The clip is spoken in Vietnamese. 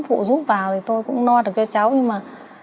phụ giúp vào thì tôi cũng no được cho cháu nhưng mà